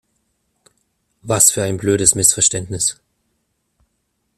Was für ein blödes Missverständnis!